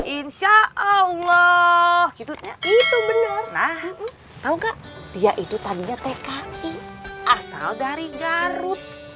insyaallah insyaallah gitu itu bener nah tahu nggak dia itu tadinya tki asal dari garut